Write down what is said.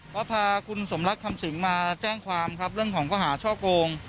ก็พาคุณสมรักคำสิงมาแจ้งความครับเรื่องของข้อหาช่อโกง